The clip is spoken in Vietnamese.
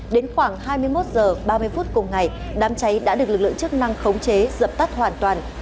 đến khoảng hai mươi một h ba mươi phút cùng ngày đám cháy đã được lực lượng chức năng khống chế dập tắt hoàn toàn